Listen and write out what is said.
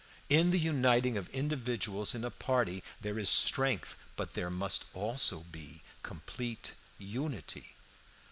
In the uniting of individuals in a party there is strength, but there must also be complete unity.